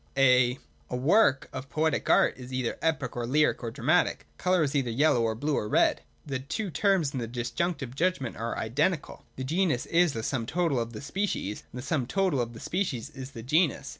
A work of poetic art is either epic or lyric or dramatic. Colour is either yellow or blue or red. The two terms in the Disjunctive judgment are identical. The genus is the sum total of the species, and the sum total of the species is the genus.